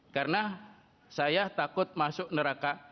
karena saya takut masuk neraka